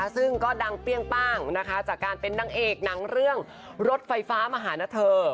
ซึ่งก็ดังเปรี้ยงป้างนะคะจากการเป็นนางเอกหนังเรื่องรถไฟฟ้ามาหานะเธอ